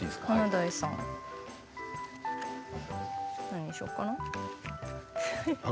何にしようかな。